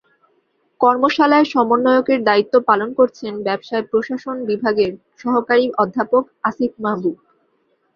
কর্মশালায় সমন্বয়কের দায়িত্ব পালন করছেন ব্যবসায় প্রশাসন বিভাগের সহকারী অধ্যাপক আসিফ মাহবুব।